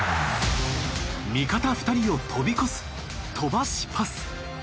味方２人を飛び越す飛ばしパス。